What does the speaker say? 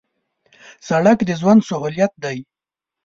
سړک د ژوند سهولت دی